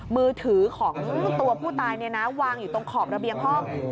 มือถือของตัวผู้ตายวางอยู่ตรงขอบระเบียงห้อง